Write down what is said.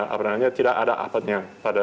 apalagi tidak ada apatnya